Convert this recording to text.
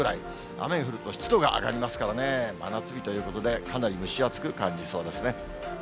雨が降ると湿度が上がりますからね、真夏日ということで、かなり蒸し暑く感じそうですね。